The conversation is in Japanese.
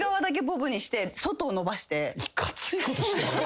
いかついことしてんね。